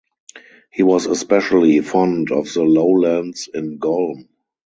He was especially fond of the lowlands in Golm.